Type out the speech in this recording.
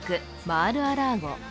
マール・ア・ラーゴ。